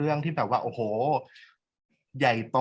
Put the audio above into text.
กากตัวทำอะไรบ้างอยู่ตรงนี้คนเดียว